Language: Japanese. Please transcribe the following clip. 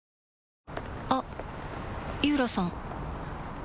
あっ井浦さん